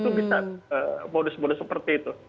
itu bisa modus modus seperti itu